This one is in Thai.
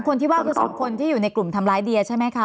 คนที่ว่าคือสองคนที่อยู่ในกลุ่มทำร้ายเดียใช่ไหมคะ